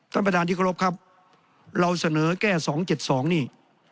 ท่านประธานที่เคารพครับเราเสนอแก้๒๗๒นี่